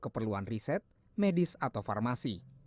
keperluan riset medis atau farmasi